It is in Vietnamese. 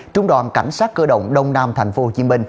trung đoàn cảnh sát cơ động đông nam tp hcm